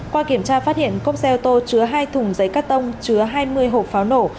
qua kiểm tra phát hiện cốc xe ô tô chứa hai thùng giấy cắt tông chứa hai mươi hộp pháo nổ